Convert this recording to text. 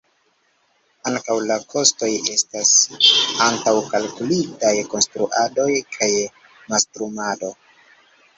Ankaŭ la kostoj estas antaŭkalkulitaj: konstruado kaj mastrumado.